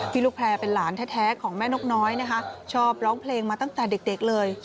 ลูกแพร่เป็นหลานแท้ของแม่นกน้อยนะคะชอบร้องเพลงมาตั้งแต่เด็กเลย